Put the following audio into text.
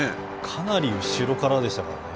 かなり後ろからでしたからね。